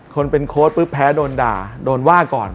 คนเป็นโค้ดปุ๊บแพ้โดนด่าโดนว่าก่อน